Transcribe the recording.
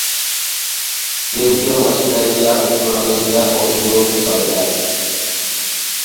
কেউ কেউ অস্ট্রেলিয়া, উত্তর আমেরিকা ও ইউরোপে চলে যান।